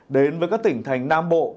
đến với các tỉnh thành nam bộ